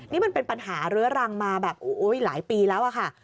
นี่มันเป็นปัญหาเรื้อรังมาแบบหลายปีแล้วอะค่ะ